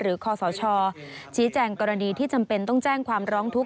คอสชชี้แจงกรณีที่จำเป็นต้องแจ้งความร้องทุกข